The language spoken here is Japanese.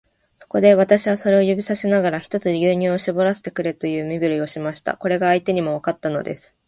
そこで、私はそれを指さしながら、ひとつ牛乳をしぼらせてくれという身振りをしました。これが相手にもわかったのです。